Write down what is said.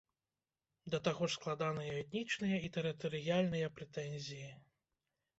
Да таго ж складаныя этнічныя і тэрытарыяльныя прэтэнзіі.